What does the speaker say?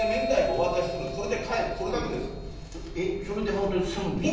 お渡しするそれで帰るそれだけですよえっそれでホントに済むんですか